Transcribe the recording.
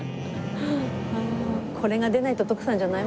これが出ないと徳さんじゃないものね。